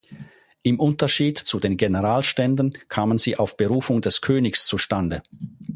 Im Unterschied zu den Generalständen kamen sie auf Berufung des Königs zustande.